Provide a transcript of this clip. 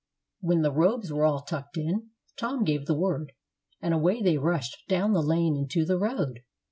"] When the robes were all tucked in, Tom gave the word, and away they rushed down the lane into the road.